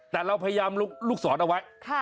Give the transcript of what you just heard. แต่เราพยายามลูกศรเอาไว้